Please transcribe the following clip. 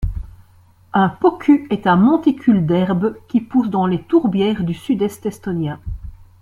Un poku est un monticule d'herbe qui pousse dans les tourbières du sud-est estonien.